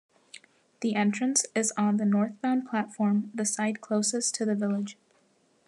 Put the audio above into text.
The entrance is on the northbound platform, the side closest to the village.